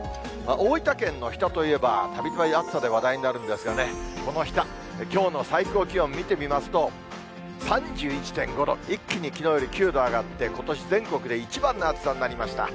大分県の日田といえば、たびたび暑さで話題になるんですがね、この日田、きょうの最高気温、見てみますと、３１．５度、一気にきのうより９度上がって、ことし、全国で一番の暑さになりました。